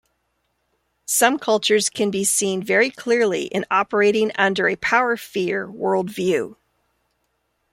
Some cultures can be seen very clearly in operating under a Power-Fear worldview.